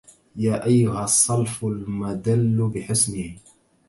يا أيها الصلف المدل بحسنه